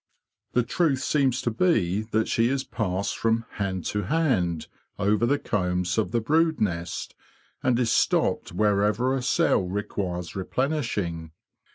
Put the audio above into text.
The truth seems to be that she is passed from '"' hand to hand '' over the combs of the brood nest, and is stopped wherever a cell requires replenishing.